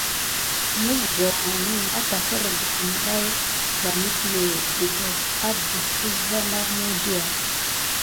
Məzgaw nane matagərgəw gay va métuwé dəga adəf əsva naw muwslya.